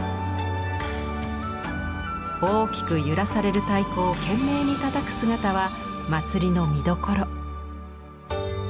大きく揺らされる太鼓を懸命にたたく姿は祭りの見どころ。